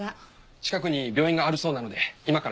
近くに病院があるそうなので今から行ってみます。